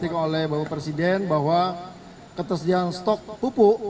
disampaikan oleh bapak presiden bahwa ketersediaan stok pupuk